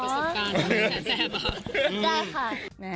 เปิดประสบการณ์ในเนื้อแสงแทบอ่ะ